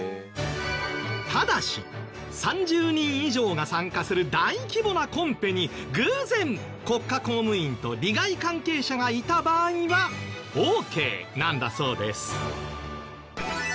ただし３０人以上が参加する大規模なコンペに偶然国家公務員と利害関係者がいた場合はオーケーなんだそうです。